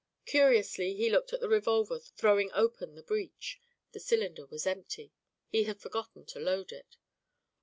Curiously, he looked at the revolver, throwing open the breech the cylinder was empty; he had forgotten to load it.